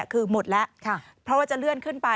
คือหมดแล้วพอจะเลื่อนขึ้นไป